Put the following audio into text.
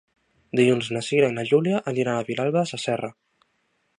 Dilluns na Cira i na Júlia aniran a Vilalba Sasserra.